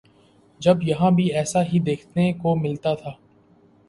جب یہاں بھی ایسا ہی دیکھنے کو ملتا تھا۔